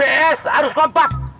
anak ips harus kompak